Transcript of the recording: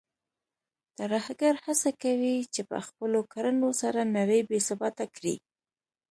ترهګر هڅه کوي چې په خپلو کړنو سره نړۍ بې ثباته کړي.